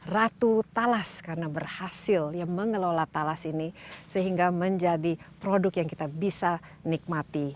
ratu talas karena berhasil mengelola talas ini sehingga menjadi produk yang kita bisa nikmati